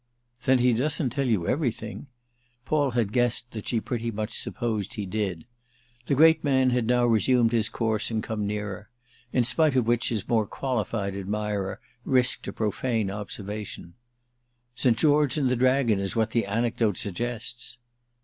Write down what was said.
"Then he doesn't tell you everything!" Paul had guessed that she pretty much supposed he did. The great man had now resumed his course and come nearer; in spite of which his more qualified admirer risked a profane observation: "St. George and the Dragon is what the anecdote suggests!"